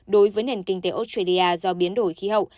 đối với nền kinh tế australia do biến đổi khí hậu